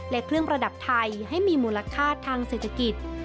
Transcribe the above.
และเครื่องประดับไทยให้มีมูลค่าทางเศรษฐกิจ